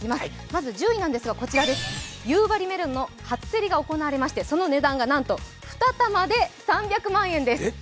まず１０位なんですが夕張メロンの初競りが行われましてその値段が何と、２玉で３００万円です。